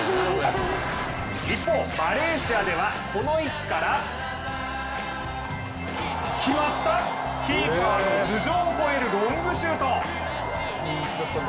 一方マレーシアでは、この位置から、キーパーの頭上を越えるロングシュート。